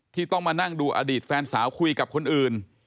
ที่ต้องมานั่งดูอดีตแฟนสาวคุยกับคนอื่น